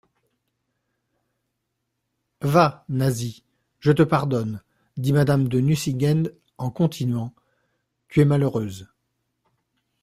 Va, Nasie, je te pardonne, dit madame de Nucingen en continuant, tu es malheureuse.